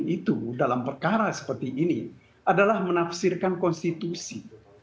itu dalam perkara seperti ini adalah menafsirkan konstitusi